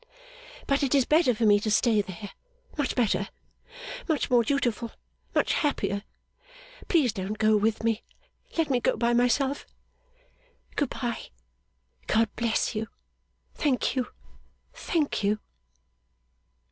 But it is better for me to stay there; much better, much more dutiful, much happier. Please don't go with me, let me go by myself. Good bye, God bless you. Thank you, thank you.